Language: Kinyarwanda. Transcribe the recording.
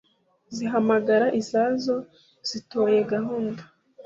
zihamagara izazo, zitoye gahunda